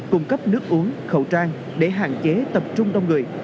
cung cấp nước uống khẩu trang để hạn chế tập trung đông người